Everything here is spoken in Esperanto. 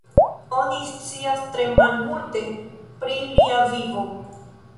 Oni scias tre malmulte pri lia vivo.